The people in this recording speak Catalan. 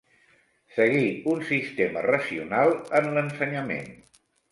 Seguir un sistema racional en l'ensenyament.